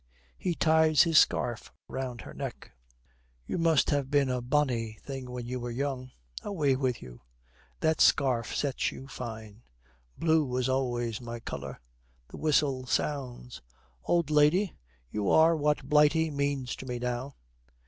He ties his scarf round her neck. 'You must have been a bonny thing when you were young.' 'Away with you!' 'That scarf sets you fine.' 'Blue was always my colour.' The whistle sounds. 'Old lady, you are what Blighty means to me now.'